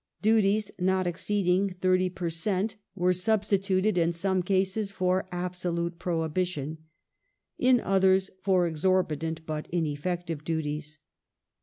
Duties not exceeding *>^0 per cent, were sub stituted in some cases for absolute prohibition, in others for ex orbitant but ineffective duties.